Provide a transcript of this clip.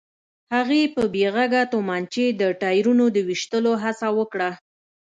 هغې په بې غږه تومانچې د ټايرونو د ويشتلو هڅه وکړه.